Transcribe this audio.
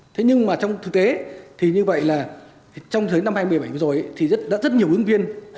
thế nhưng mà trong thực tế thì như vậy là trong năm hai nghìn một mươi bảy vừa rồi thì đã rất nhiều ứng viên